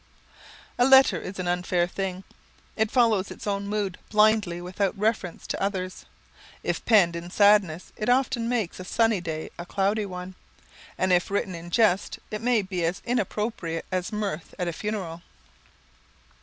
A letter is an unfair thing. It follows its own mood blindly without reference to others. If penned in sadness it often makes a sunny day a cloudy one, and if written in jest it may be as inopportune as mirth at a funeral.